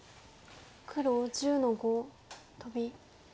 黒１０の五トビ。